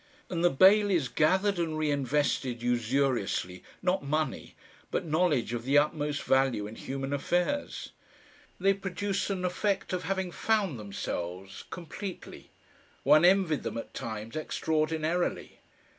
And the Baileys gathered and reinvested usuriously not money, but knowledge of the utmost value in human affairs. They produced an effect of having found themselves completely. One envied them at times extraordinarily.